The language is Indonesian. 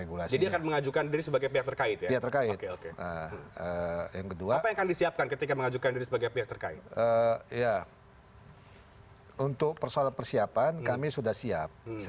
untuk persoalan persiapan kami sudah siap